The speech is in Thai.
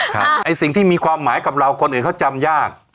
ไอ้สิ่งที่มีความหมายกับเราคนอื่นเขาจำยาก